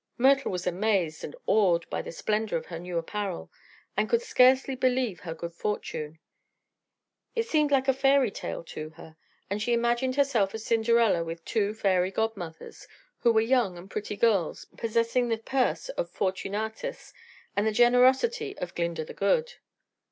Myrtle was amazed and awed by the splendor of her new apparel, and could scarcely believe her good fortune. It seemed like a fairy tale to her, and she imagined herself a Cinderella with two fairy godmothers who were young and pretty girls possessing the purse of Fortunatus and the generosity of Glinda the Good.